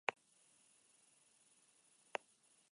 Ella no recuerda como llegó al inframundo.